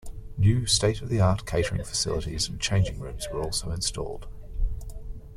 New state of the art catering facilities and changing rooms were also installed.